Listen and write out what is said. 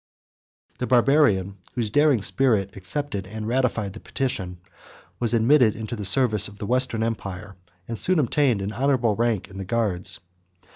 121 The Barbarian, whose daring spirit accepted and ratified the prediction, was admitted into the service of the Western empire, and soon obtained an honorable rank in the guards.